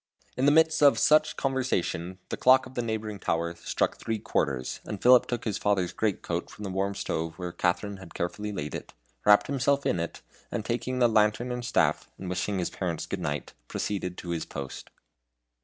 In the midst of such conversation the clock of the neighboring tower struck three quarters, and Philip took his father's great coat from the warm stove where Katharine had carefully laid it, wrapped himself in it, and taking the lantern and staff, and wishing his parents good night, proceeded to his post.